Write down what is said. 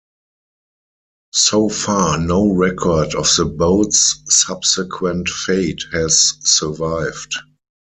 So far no record of the boat's subsequent fate has survived.